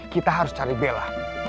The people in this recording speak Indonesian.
kita harus cari bella